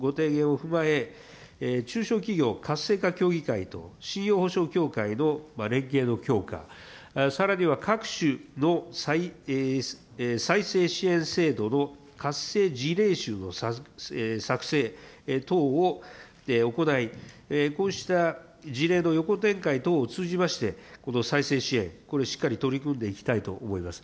また、再生支援を強化すべきとのご提言を踏まえ、中小企業活性化協議会と信用ほしょう協会の連携の強化、さらには各種の再生支援制度のかっせい事例集の作成等を行い、こうした事例の横展開等を通じまして、この再生支援、これをしっかり取り組んでいきたいと思います。